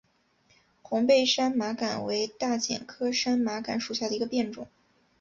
红背山麻杆为大戟科山麻杆属下的一个变种。